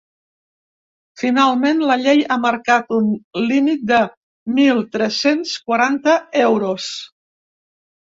Finalment la llei ha marcat un límit de mil tres-cents quaranta euros.